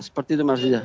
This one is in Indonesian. seperti itu maksudnya